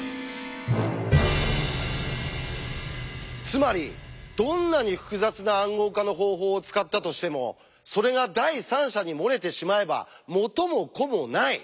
つまりどんなに複雑な「暗号化の方法」を使ったとしてもそれが第三者に漏れてしまえば元も子もない！